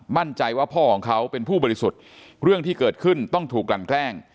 มั่นใจว่าพ่อของเขาเป็นผู้บริสุทธิ์เรื่องที่เกิดขึ้นต้องถูกกลั่นแกล้ง